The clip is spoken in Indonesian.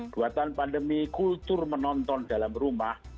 buatan pandemi kultur menonton dalam rumah